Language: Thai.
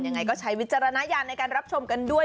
ยังไงก็ใช้วิจารณญาณในการรับชมกันด้วย